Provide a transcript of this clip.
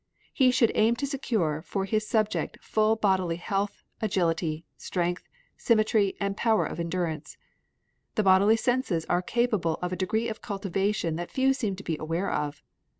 He should aim to secure for his subject full bodily health, agility, strength, symmetry, and power of endurance. The bodily senses are capable of a degree of cultivation that few seem to be aware of.